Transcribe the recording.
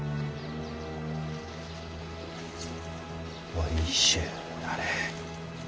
おいしゅうなれ。